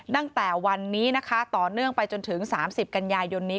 ตั้งแต่วันนี้นะคะต่อเนื่องไปจนถึง๓๐กันยายนนี้